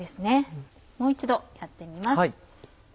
もう一度やってみます。